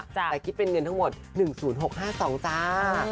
แต่คิดเป็นเงินทั้งหมด๑๐๖๕๒จ้า